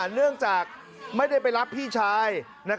เนื่องจากไม่ได้ไปรับพี่ชาย